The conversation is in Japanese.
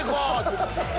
って。